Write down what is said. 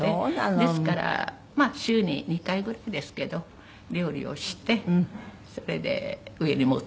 ですからまあ週に２回ぐらいですけど料理をしてそれで上に持って行って彼女たちに。